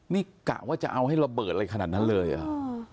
นี่กะว่าจะเอาให้ระเบิดอะไรขนาดนั้นเลยเหรอ